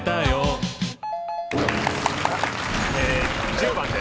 １０番で。